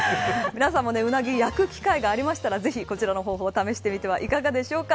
皆さんもウナギを焼く機会がありましたらぜひ、こちらの方法を試してみてはいかがでしょうか。